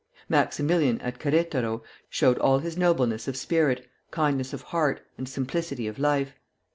Maximilian at Queretaro showed all his nobleness of spirit, kindness of heart, and simplicity of life.